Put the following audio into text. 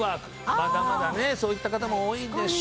まだまだねそういった方も多いでしょ。